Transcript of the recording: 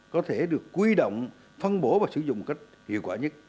có thể được quy động phân bổ và sử dụng cách hiệu quả nhất